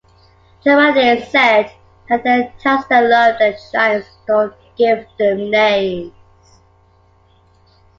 Joan Amades said that the towns that love their giants don’t give them names.